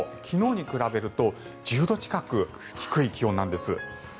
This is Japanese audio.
昨日に比べると１０度近く低い気温なんです。